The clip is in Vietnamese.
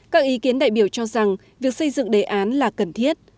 các ý kiến đại biểu cho rằng việc xây dựng đề án là cần thiết